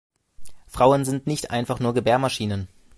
Frauen sind nicht einfach nur Gebärmaschinen.